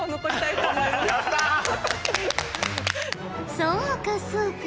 そうかそうか。